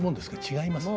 違います？